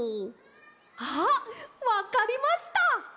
ああわかりました！